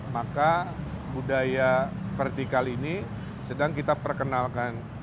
maka budaya vertikal ini sedang kita perkenalkan